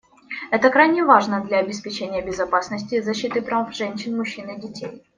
Это крайне важно для обеспечения безопасности и защиты прав женщин, мужчин и детей.